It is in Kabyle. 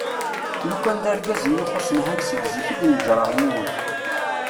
Lukan d argaz iyi-ixusen a-t-an seg zik i d-neǧǧreɣ yiwen.